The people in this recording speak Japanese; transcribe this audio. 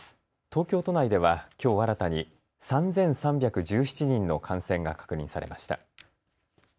東京都内ではきょう新たに３３１７人の感染が確認されました。